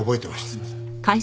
すいません。